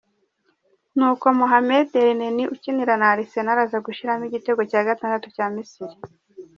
Nuko Mohamed Elneny ukinira na Arsenal aza gushyiramo igitego cya gatandatu cya Misiri.